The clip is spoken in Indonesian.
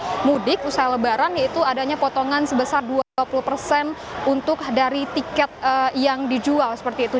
untuk mudik usai lebaran yaitu adanya potongan sebesar dua puluh persen untuk dari tiket yang dijual seperti itu